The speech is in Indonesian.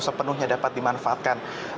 belum sepenuhnya dapat dimanfaatkan